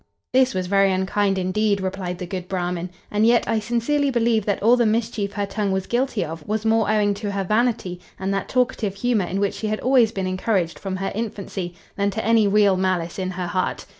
"This was very unkind indeed, replied the good Bramin; and yet, I sincerely believe that all the mischief her tongue was guilty of, was more owing to her vanity and that talkative humour in which she had always been encouraged from her infancy, than to any real malice in her heart.